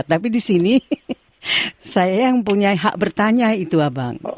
tapi di sini saya yang punya hak bertanya itu abang